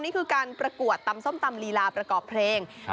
นี่คือการประกวดตำส้มตำลีลาประกอบเพลง